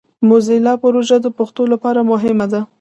موزیلا پروژه د پښتو لپاره مهمه ده.